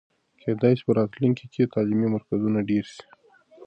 کېدای سي په راتلونکي کې تعلیمي مرکزونه ډېر سي.